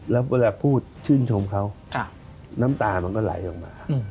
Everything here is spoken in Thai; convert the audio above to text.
แล้วเวลาพูดชื่นชมเขาน้ำตามันก็ไหลออกมา